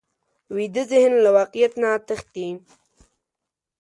ویده ذهن له واقعیت نه تښتي